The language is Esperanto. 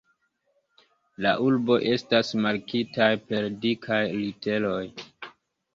La urboj estas markitaj per dikaj literoj.